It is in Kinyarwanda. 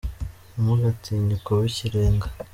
Ntimugatinye kuba ikirenga